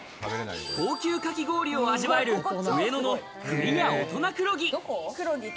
高級かき氷を味わえる上野の「廚ｏｔｏｎａくろぎ」。